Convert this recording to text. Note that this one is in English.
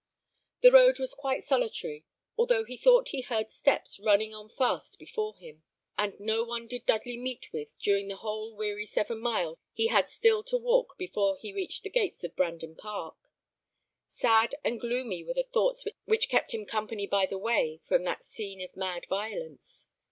The road was quite solitary, although he thought he heard steps running on fast before him; and no one did Dudley meet with during the whole weary seven miles he had still to walk before he reached the gates of Brandon Park. Sad and gloomy were the thoughts which kept him company by the way from that scene of mad violence.